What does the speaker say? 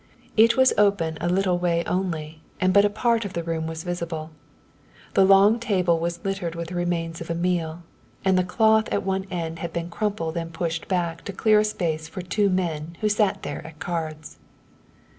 It was open a little way only, and but a part of the room was visible. The long table was littered with the remains of a meal, and the cloth at one end had been crumpled and pushed back to clear a space for two men who sat there at cards.